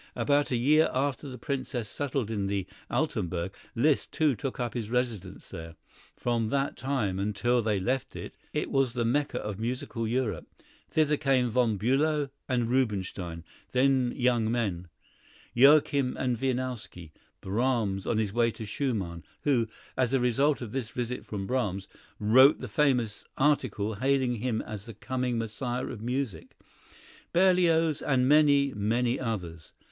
About a year after the Princess settled in the Altenburg, Liszt, too, took up his residence there. From that time until they left it, it was the Mecca of musical Europe. Thither came Von Bülow and Rubinstein, then young men; Joachim and Wieniawski; Brahms, on his way to Schumann, who, as the result of this visit from Brahms, wrote the famous article hailing him as the coming Messiah of music; Berlioz, and many, many others.